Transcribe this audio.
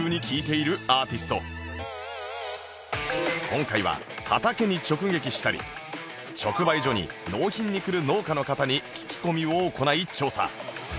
今回は畑に直撃したり直売所に納品に来る農家の方に聞き込みを行い調査